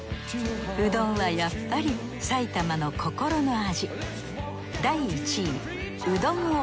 うどんはやっぱり埼玉の心の味